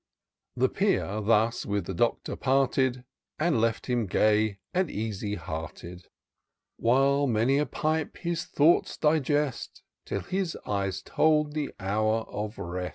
'* The Peer thus with the Doctor parted, And left him gay and easy hearted ; While many a pipe his thoughts digest, Till his eyes told the hour of rest.